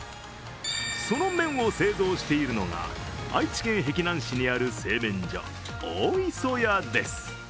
その麺を製造しているのが愛知県碧南市にある製麺所、大磯屋です。